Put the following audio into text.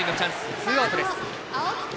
ツーアウトです。